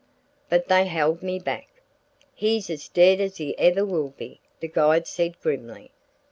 But they held me back. "He's as dead as he ever will be," the guide said grimly.